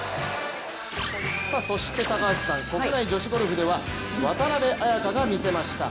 そして、高橋さん国内女子ゴルフでは渡邉彩香が見せました。